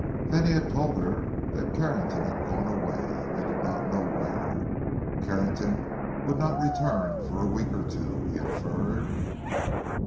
Then he had told her that Carrington had gone away—he did not know where. Carrington would not return for a week or two, he inferred.